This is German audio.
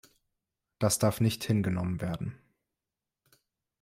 Das darf nicht hingenommen werden.